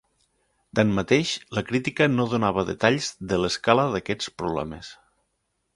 Tanmateix, la crítica no donava detalls de l'escala d'aquests problemes.